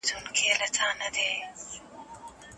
زده کړه باید عامه سي.